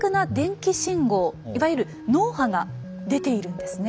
いわゆる脳波が出ているんですね。